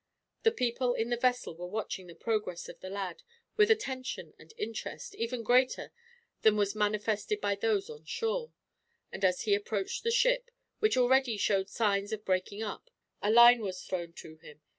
The people in the vessel were watching the progress of the lad, with attention and interest even greater than was manifested by those on shore; and as he approached the ship, which already showed signs of breaking up, a line was thrown to him.